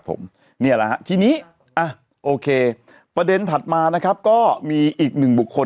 ผมนี่แหละฮะทีนี้อ่ะโอเคประเด็นถัดมานะครับก็มีอีกหนึ่งบุคคล